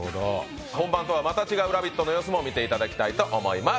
本番とはまた違う「ラヴィット！」の様子も見ていただきたいと思います。